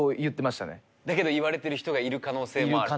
だけど言われてる人がいる可能性もある？